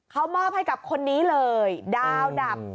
เขามอบให้กับคนนี้เลยดาวดับ